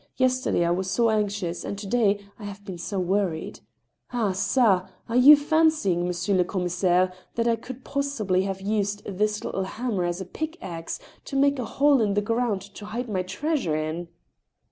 Yesterday I was so anxious, and to day I have been so worried. Ak^ ga / are you fancying, Mon sieur le Commissaire, that I could possibly have used this little hammer as a pick axe to make a hole in the ground to hide my treasure in